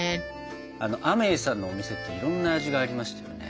あのアメイさんのお店っていろんな味がありましたよね？